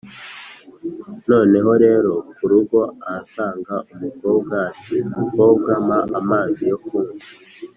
noneho rero ku rugo ahasanga umukobwa ati mukobwa mpa amazi yo kunywa.